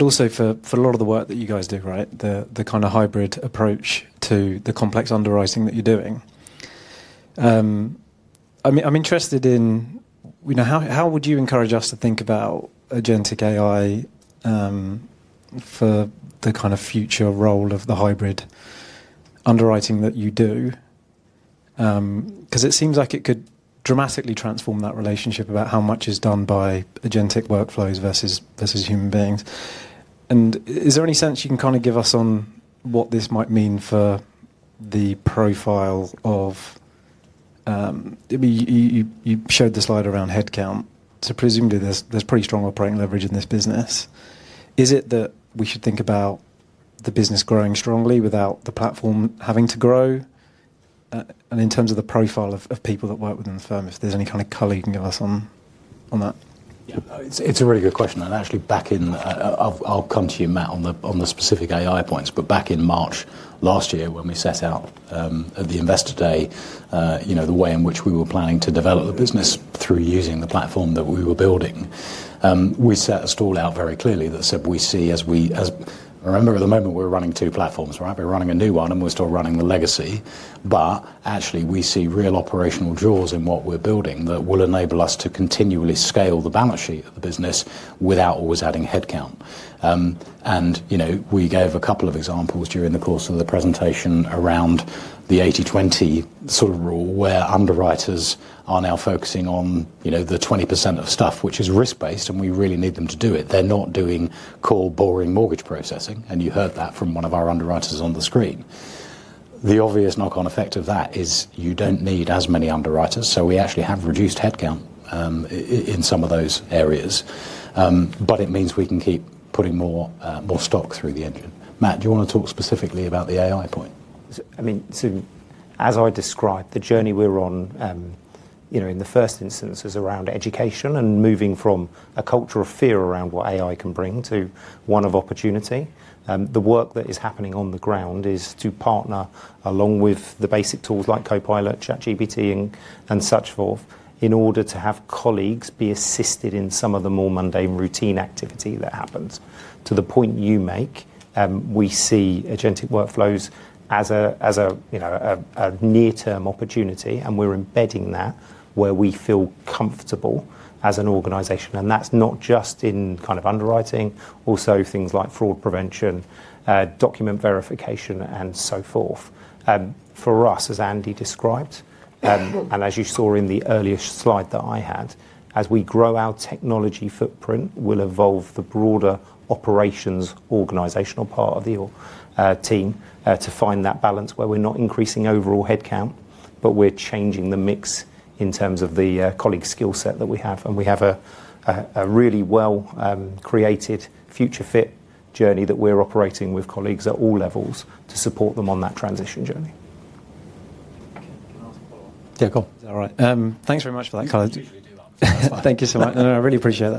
Also for a lot of the work that you guys do, right? The kinda hybrid approach to the complex underwriting that you're doing. I mean, I'm interested in, you know, how would you encourage us to think about Agentic AI for the kind of future role of the hybrid underwriting that you do? 'Cause it seems like it could dramatically transform that relationship about how much is done by Agentic workflows versus human beings. Is there any sense you can kinda give us on what this might mean for the profile of... You showed the slide around headcount, so presumably there's pretty strong operating leverage in this business. Is it that we should think about the business growing strongly without the platform having to grow? In terms of the profile of people that work within the firm, if there's any kind of color you can give us on that? Yeah. It's a really good question. Actually, I'll come to you, Matt, on the specific AI points. Back in March last year, when we set out at the Investor Day, you know, the way in which we were planning to develop the business through using the platform that we were building, we set a stall out very clearly that said, Remember at the moment we're running two platforms, right? We're running a new one, and we're still running the legacy. Actually, we see real operational draws in what we're building that will enable us to continually scale the balance sheet of the business without always adding headcount. You know, we gave a couple of examples during the course of the presentation around the 80/20 sort of rule, where underwriters are now focusing on, you know, the 20% of stuff which is risk-based, and we really need them to do it. They're not doing core boring mortgage processing, and you heard that from one of our underwriters on the screen. The obvious knock-on effect of that is you don't need as many underwriters, so we actually have reduced headcount in some of those areas. It means we can keep putting more stock through the engine. Matt, do you wanna talk specifically about the AI point? I mean, so as I described, the journey we're on You know, in the first instance is around education and moving from a culture of fear around what AI can bring to one of opportunity. The work that is happening on the ground is to partner along with the basic tools like Copilot, ChatGPT, and so forth in order to have colleagues be assisted in some of the more mundane routine activity that happens. To the point you make, we see Agentic workflows as a near-term opportunity, and we're embedding that where we feel comfortable as an organization. That's not just in kind of underwriting, also things like fraud prevention, document verification, and so forth. For us, as Andy described, and as you saw in the earlier slide that I had, as we grow our technology footprint, we'll evolve the broader operations organizational part of the team to find that balance where we're not increasing overall headcount, but we're changing the mix in terms of the colleague skill set that we have. We have a really well created future fit journey that we're operating with colleagues at all levels to support them on that transition journey. Can I ask a follow-up? Yeah, go on. Is that all right? Thanks very much for that, Colin. Thank you so much. No, no, I really appreciate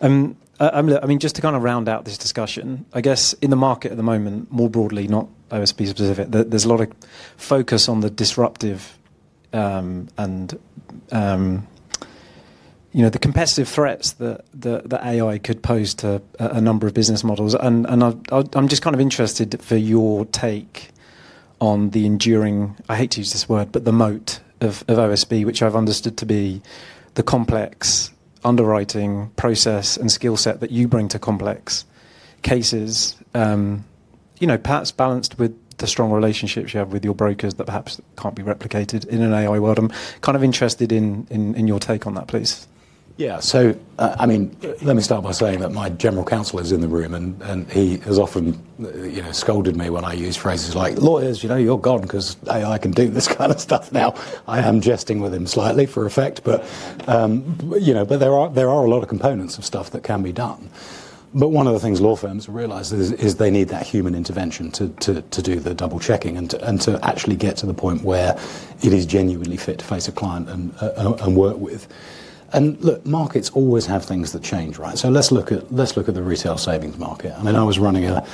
that. I mean, just to kinda round out this discussion, I guess in the market at the moment, more broadly, not OSB specific, there's a lot of focus on the disruptive, you know, the competitive threats that the AI could pose to a number of business models. I'm just kind of interested for your take on the enduring, I hate to use this word, but the moat of OSB, which I've understood to be the complex underwriting process and skill set that you bring to complex cases. You know, perhaps balanced with the strong relationships you have with your brokers that perhaps can't be replicated in an AI world. I'm kind of interested in your take on that, please. Yeah. I mean, let me start by saying that my general counsel is in the room and he has often, you know, scolded me when I use phrases like, "Lawyers, you know, you're gone 'cause AI can do this kind of stuff now." I am jesting with him slightly for effect. You know, there are a lot of components of stuff that can be done. One of the things law firms realize is they need that human intervention to do the double checking and to actually get to the point where it is genuinely fit to face a client and work with. Look, markets always have things that change, right? Let's look at the retail savings market. I mean, I was running a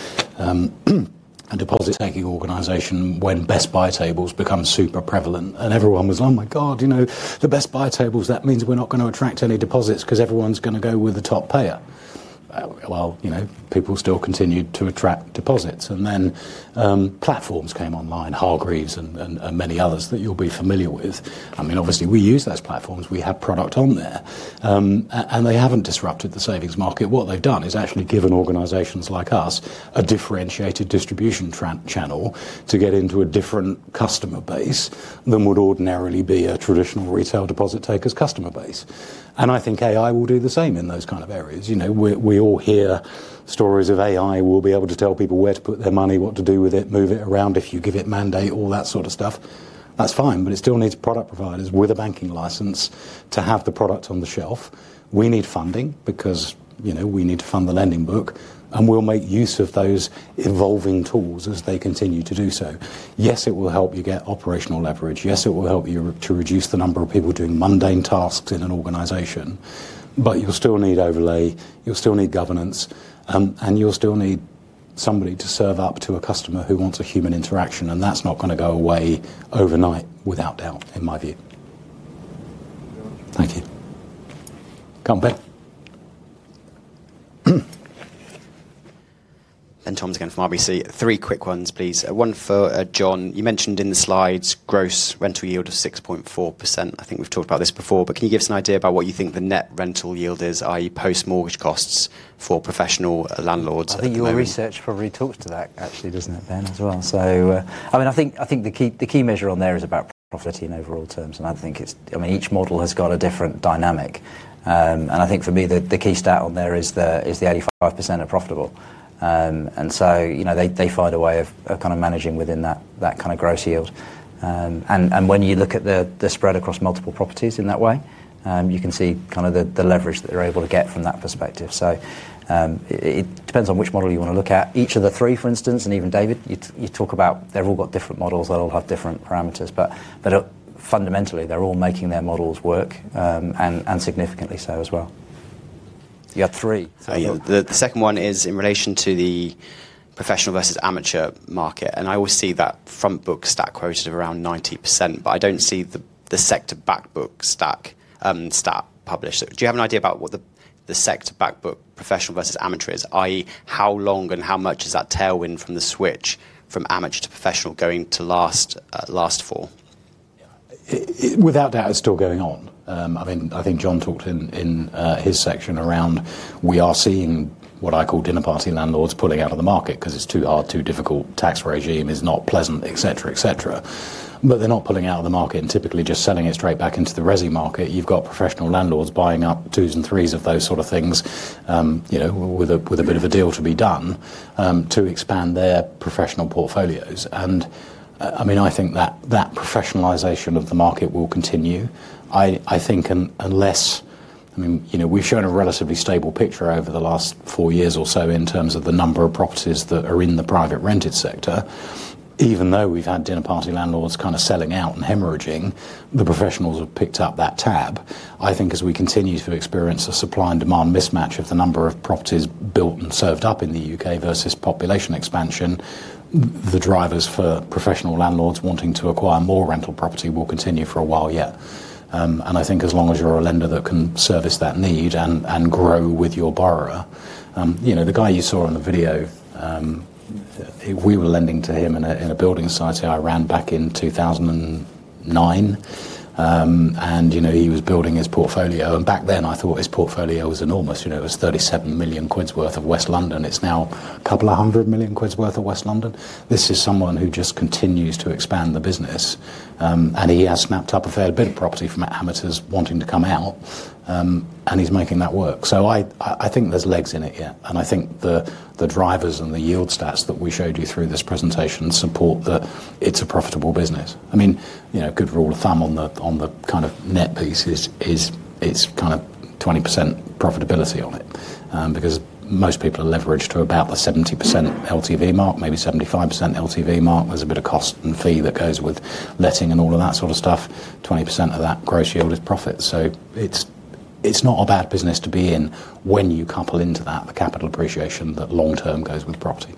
deposit-taking organization when Best Buy tables become super prevalent and everyone was, "Oh my god, you know, the Best Buy tables, that means we're not gonna attract any deposits 'cause everyone's gonna go with the top payer." Well, you know, people still continued to attract deposits. Platforms came online, Hargreaves and many others that you'll be familiar with. I mean, obviously we use those platforms. We have product on there. And they haven't disrupted the savings market. What they've done is actually given organizations like us a differentiated distribution channel to get into a different customer base than would ordinarily be a traditional retail deposit taker's customer base. I think AI will do the same in those kind of areas. You know, we all hear stories of AI will be able to tell people where to put their money, what to do with it, move it around if you give it mandate, all that sort of stuff. That's fine, but it still needs product providers with a banking license to have the product on the shelf. We need funding because, you know, we need to fund the lending book, and we'll make use of those evolving tools as they continue to do so. Yes, it will help you get operational leverage. Yes, it will help you to reduce the number of people doing mundane tasks in an organization. But you'll still need overlay, you'll still need governance, and you'll still need somebody to serve up to a customer who wants a human interaction, and that's not gonna go away overnight, without doubt, in my view. Thank you. Come up, Ben. Benjamin Toms again from RBC. Three quick ones, please. One for Jon. You mentioned in the slides gross rental yield of 6.4%. I think we've talked about this before, but can you give us an idea about what you think the net rental yield is, i.e., post-mortgage costs for professional landlords at the moment? I think your research probably talks to that actually, doesn't it, Ben, as well? I mean, I think the key measure on there is about profitability in overall terms, and I think it's. I mean, each model has got a different dynamic. I think for me, the key stat on there is the 85% are profitable. You know, they find a way of kind of managing within that kind of gross yield. When you look at the spread across multiple properties in that way, you can see kind of the leverage that they're able to get from that perspective. It depends on which model you wanna look at. Each of the three, for instance, and even David, you talk about they've all got different models, they all have different parameters, but they're fundamentally, they're all making their models work, and significantly so as well. You had three, so yeah. Yeah. The second one is in relation to the professional versus amateur market, and I always see that front book stat quoted of around 90%, but I don't see the sector back book stat published. Do you have an idea about what the sector back book professional versus amateur is, i.e., how long and how much is that tailwind from the switch from amateur to professional going to last for? Yeah. It, without a doubt, it's still going on. I mean, I think John talked in his section around we are seeing what I call dinner party landlords pulling out of the market 'cause it's too hard, too difficult. Tax regime is not pleasant, et cetera, et cetera. But they're not pulling out of the market and typically just selling it straight back into the resi market. You've got professional landlords buying up twos and threes of those sort of things, you know, with a bit of a deal to be done, to expand their professional portfolios. I mean, I think that professionalization of the market will continue. I think, you know, we've shown a relatively stable picture over the last four years or so in terms of the number of properties that are in the private rented sector. Even though we've had dinner party landlords kinda selling out and hemorrhaging, the professionals have picked up that tab. I think as we continue to experience a supply and demand mismatch of the number of properties built and served up in the U.K. versus population expansion, the drivers for professional landlords wanting to acquire more rental property will continue for a while yet. I think as long as you're a lender that can service that need and grow with your borrower. You know, the guy you saw in the video, we were lending to him in a building society I ran back in 2009. You know, he was building his portfolio, and back then I thought his portfolio was enormous. You know, it was 37 million worth of West London. It's now a couple of hundred million GBP worth of West London. This is someone who just continues to expand the business. He has snapped up a fair bit of property from amateurs wanting to come out, and he's making that work. I think there's legs in it, yeah, and I think the drivers and the yield stats that we showed you through this presentation support that it's a profitable business. I mean, you know, a good rule of thumb on the kind of net piece is it's kinda 20% profitability on it, because most people are leveraged to about the 70% LTV mark, maybe 75% LTV mark. There's a bit of cost and fee that goes with letting and all of that sort of stuff. 20% of that gross yield is profit. It's not a bad business to be in when you couple into that the capital appreciation that long-term goes with property.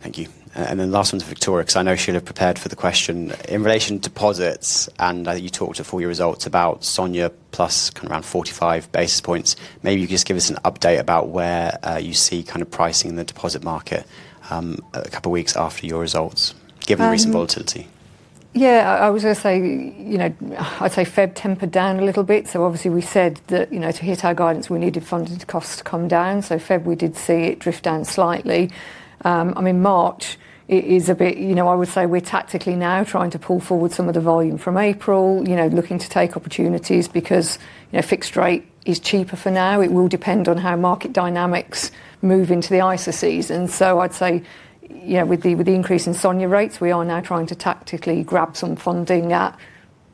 Thank you. Last one to Victoria 'cause I know she had prepared for the question. In relation to deposits, I think you talked to full year results about SONIA plus kinda around 45 basis points. Maybe you can just give us an update about where you see kinda pricing in the deposit market, a couple weeks after your results given the recent volatility. Yeah. I was gonna say, you know, I'd say Feb tempered down a little bit, so obviously we said that, you know, to hit our guidance, we needed funding costs to come down. Feb we did see it drift down slightly. I mean, March is a bit, you know, I would say we're tactically now trying to pull forward some of the volume from April, you know, looking to take opportunities because, you know, fixed rate is cheaper for now. It will depend on how market dynamics move into the ISA season. I'd say, you know, with the increase in SONIA rates, we are now trying to tactically grab some funding at,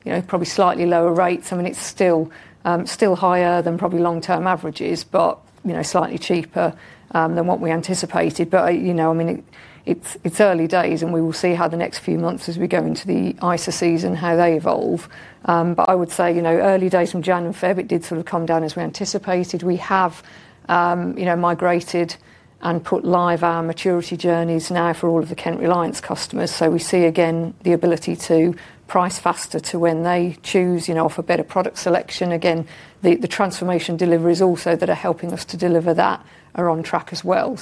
you know, probably slightly lower rates. I mean, it's still higher than probably long-term averages but, you know, slightly cheaper than what we anticipated. I, you know, I mean, it's early days, and we will see how the next few months as we go into the ISA season, how they evolve. I would say, you know, early days from January and February it did sort of come down as we anticipated. We have, you know, migrated and put live our maturity journeys now for all of the Kent Reliance customers, so we see again the ability to price faster to when they choose, you know, offer better product selection. Again, the transformation deliveries also that are helping us to deliver that are on track as well.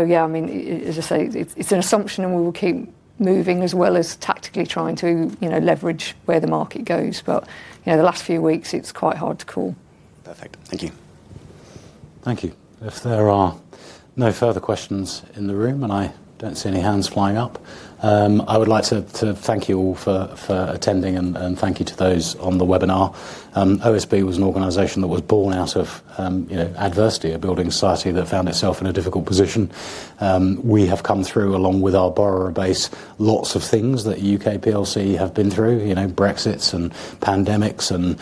Yeah, I mean, as I say, it's an assumption, and we will keep moving as well as tactically trying to, you know, leverage where the market goes. You know, the last few weeks it's quite hard to call. Perfect. Thank you. Thank you. If there are no further questions in the room, and I don't see any hands flying up, I would like to thank you all for attending and thank you to those on the webinar. OSB was an organization that was born out of, you know, adversity, a building society that found itself in a difficult position. We have come through along with our borrower base lots of things that U.K. PLC have been through, you know, Brexit and pandemics and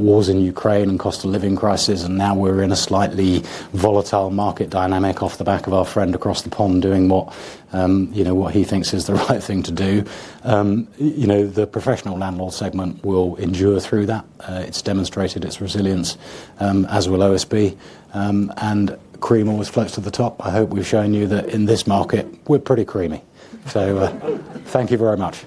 wars in Ukraine and cost of living crisis, and now we're in a slightly volatile market dynamic off the back of our friend across the pond doing what, you know, what he thinks is the right thing to do. You know, the professional landlord segment will endure through that. It's demonstrated its resilience, as will OSB. Cream always floats to the top. I hope we've shown you that in this market we're pretty creamy. Thank you very much.